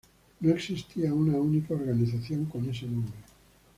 No existía una única organización con ese nombre.